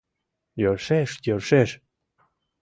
— Йӧршеш, йӧршеш!